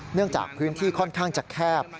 เนื่องจากพื้นที่ค่อนข้างจะแคบ